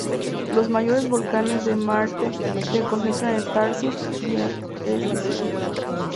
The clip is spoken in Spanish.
Los mayores volcanes de Marte se concentran en Tharsis y en Elysium.